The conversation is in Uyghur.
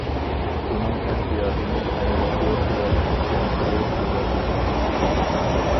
ئۇنىڭ ئەس- يادىنى ئەنە شۇ خىيال ئىسكەنجىگە ئېلىۋالدى.